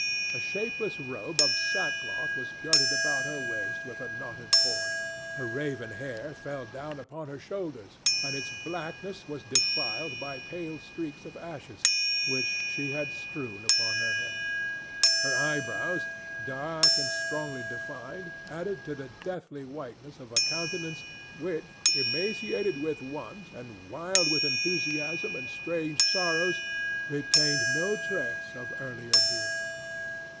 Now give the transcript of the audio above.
A shapeless robe of sackcloth was girded about her waist with a knotted cord; her raven hair fell down upon her shoulders, and its blackness was defiled by pale streaks of ashes, which she had strewn upon her head. Her eyebrows, dark and strongly defined, added to the deathly whiteness of a countenance which, emaciated with want and wild with enthusiasm and strange sorrows, retained no trace of earlier beauty.